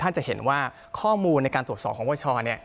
จะเห็นว่าข้อมูลในการตรวจสอบของวชเนี่ย